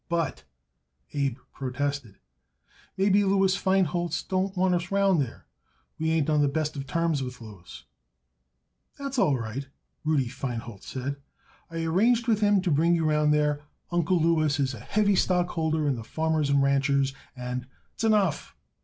"But," Abe protested, "maybe Louis Feinholz don't want us round there. We ain't on the best of terms with Louis." "That's all right," Rudy Feinholz said. "I arranged with him to bring you round there. Uncle Louis is a heavy stockholder in the Farmers and Ranchers', and " "S'enough!"